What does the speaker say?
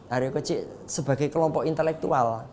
aryo kocik sebagai kelompok intelektual